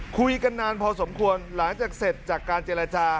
คุยกันนานพอสมควรหลังจากเสร็จจากการเจรจา